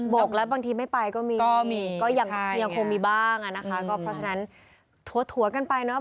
กแล้วบางทีไม่ไปก็มีก็ยังคงมีบ้างอ่ะนะคะก็เพราะฉะนั้นถั่วกันไปเนาะ